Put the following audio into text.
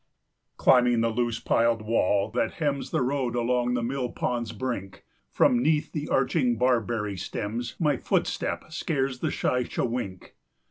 Climbing the loose piled wall that hems The road along the mill pond's brink, 10 From 'neath the arching barberry stems, My footstep scares the shy chewink.